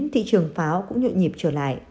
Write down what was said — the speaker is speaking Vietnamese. thị trường pháo cũng nhụ nhịp trở lại